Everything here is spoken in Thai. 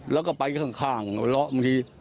แล้วก็ไปข้างหัวเราะบางที